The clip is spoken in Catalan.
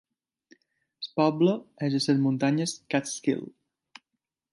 El poble és a les muntanyes Catskill.